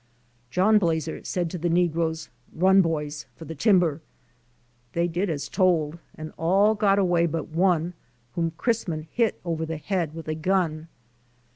3 4 Underground Railroad 591 John Blazer said to the negroes, Run boys for the timber/' They did as told and all got away but one, whom Chrisman hit over the head with a gun.